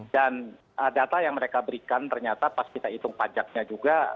dan data yang mereka berikan ternyata pas kita hitung pajaknya juga